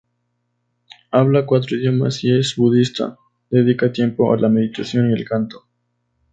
Habla cuatro idiomas y es budista, dedica tiempo a la meditación y el canto.